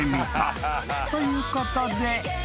［ということで］